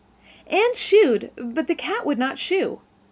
Anne "shooed," but the cat would not "shoo."